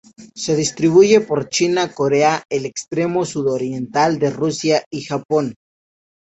Se distribuye por China, Corea, el extremo sudoriental de Rusia y Japón.